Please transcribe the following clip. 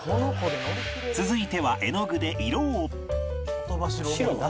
続いては絵の具で色を